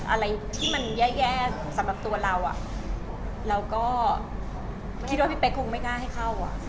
อะไรที่มันแย่สำหรับตัวเราเราก็คิดว่าพี่เป๊กคงไม่กล้าให้เข้า